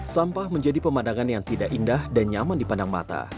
sampah menjadi pemandangan yang tidak indah dan nyaman dipandang mata